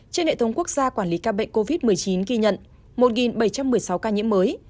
trên hệ thống quốc gia quản lý ca bệnh covid một mươi chín ghi nhận một bảy trăm một mươi sáu ca nhiễm mới